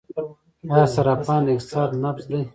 آیا صرافان د اقتصاد نبض دي؟